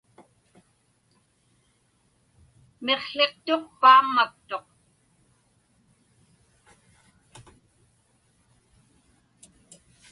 Miqłiqtuq paammaktuq.